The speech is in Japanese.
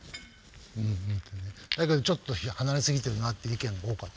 だけどちょっと離れすぎてるなって意見も多かった。